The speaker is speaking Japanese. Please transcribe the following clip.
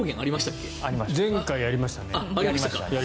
前回やりました。